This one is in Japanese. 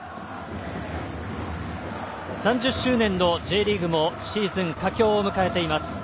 ３０周年のＪリーグもシーズン佳境を迎えています。